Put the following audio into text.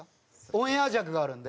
オンエア尺があるんで。